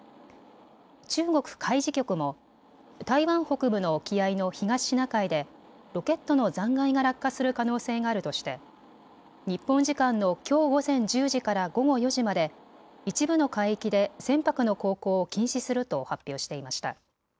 中国海事局も台湾北部の沖合の東シナ海でロケットの残骸が落下する可能性があるとして日本時間のきょう午前１０時から午後４時まで一部の海域で船舶の航行を禁止すると発表していました。